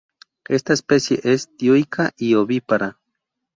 Esta especie es dioica y ovípara.